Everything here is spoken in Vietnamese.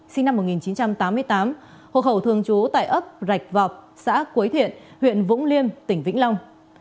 sinh năm một nghìn chín trăm tám mươi tám hộ khẩu thường trú tại ấp rạch vọp xã quế thiện huyện vũng liêm tỉnh vĩnh long